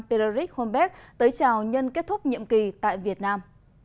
peter rick holmberg tới chào nhân kết thúc nhiệm kỳ tại việt nam